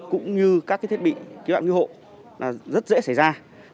cũng như các thiết bị kế hoạch nguy hộ rất dễ xảy ra